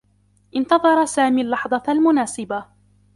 انتظر سامي اللّحظة المناسبة.